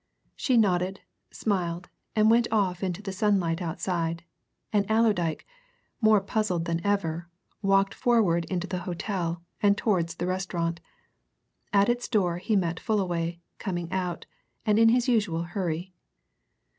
She nodded, smiled, and went off into the sunlight outside, and Allerdyke, more puzzled than ever, walked forward into the hotel and towards the restaurant. At its door he met Fullaway, coming out, and in his usual hurry.